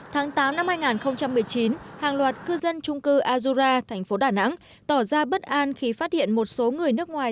tháng tám năm hai nghìn một mươi chín hàng loạt cư dân trung cư azura thành phố đà nẵng tỏ ra bất an khi phát hiện một số người nước ngoài